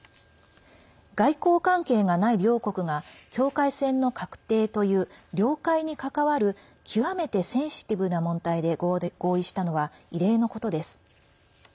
外交関係がない両国が境界線の画定という領海にかかわる極めてセンシティブな問題で合意したのは異例のことです。